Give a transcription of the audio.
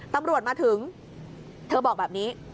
เธอบอกแบบนี้